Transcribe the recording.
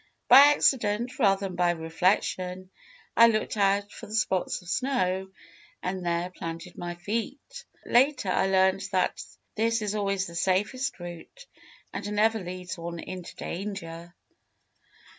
By accident, rather than by reflection, I looked out for the spots of snow and there planted my feet. Later I learned that this is always the safest route, and never leads one into danger.